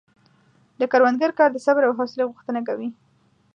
د کروندګر کار د صبر او حوصلې غوښتنه کوي.